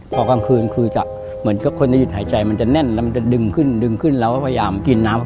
พอกลางคืนคือจะเหมือนกับคนจะหยุดหายใจมันจะแน่นแล้วมันจะดึงขึ้นดึงขึ้นแล้วก็พยายามกินน้ำ